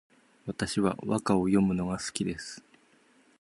私は和歌を詠むのが好きです